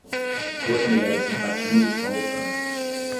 Duas mulheres em patins estão lutando.